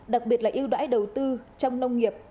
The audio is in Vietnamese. đặc biệt là ưu đãi đầu tư trong nông nghiệp